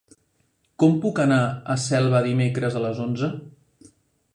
Com puc anar a Selva dimecres a les onze?